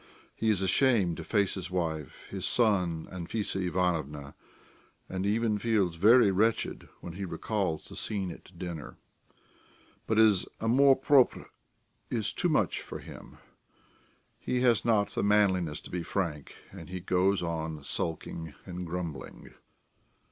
He is ashamed to face his wife, his son, Anfissa Ivanovna, and even feels very wretched when he recalls the scene at dinner, but his amour propre is too much for him; he has not the manliness to be frank, and he goes on sulking and grumbling.